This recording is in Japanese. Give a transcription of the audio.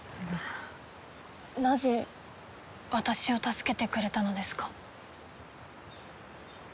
なぜ私を助けてくれたのですか？